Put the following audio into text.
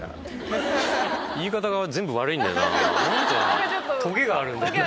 何かトゲがあるんだよな。